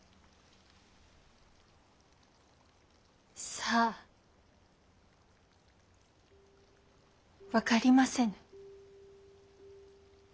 さあ分かりませぬ。